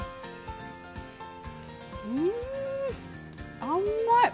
うん、甘い！